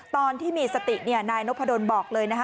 ตอนที่มีสติเนี่ยนายนพดลบอกเลยนะคะ